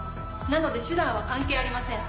なので手段は関係ありません。